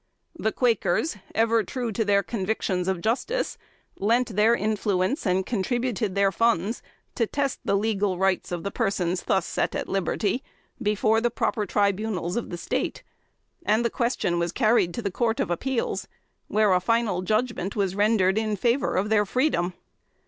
The Quakers, ever true to their convictions of justice, lent their influence, and contributed their funds, to test the legal rights of the persons thus set at liberty, before the proper tribunals of the State; and the question was carried to the Court of Appeals, where a final judgment was rendered in favor of their freedom.